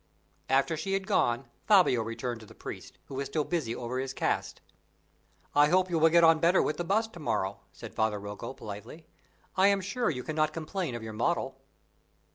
After she had gone, Fabio returned to the priest, who was still busy over his cast. "I hope you will get on better with the bust to morrow," said Father Rocco, politely; "I am sure you cannot complain of your model."